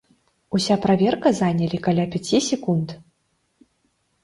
Уся праверка занялі каля пяці секунд.